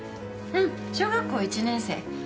うん小学校１年生。